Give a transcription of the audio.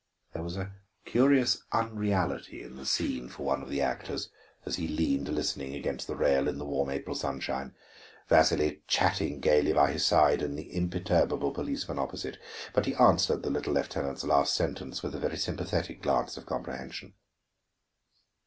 There was a curious unreality in the scene for one of the actors, as he leaned listening against the rail in the warm April sunshine, Vasili chatting gaily by his side and the imperturbable policeman opposite. But he answered the little lieutenant's last sentence with a very sympathetic glance of comprehension.